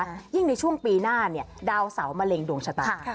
ยิ่งในช่วงปีหน้าเนี่ยดาวเสามะเร็งดวงชะตา